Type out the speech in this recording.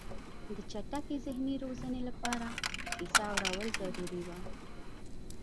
د چټکې ذهني روزنې لپاره کیسه اورول ضروري وه.